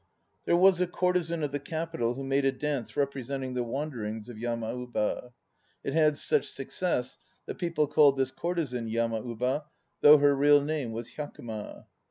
There was a courtesan of the Capital who made a dance repre senting the wanderings of Yamauba. It had such success that people called this courtesan "Yamauba" though her real name was Hyakuma.